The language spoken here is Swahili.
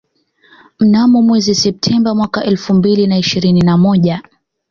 Mnamo mwezi Septemba mwaka elfu mbili na ishirini na moja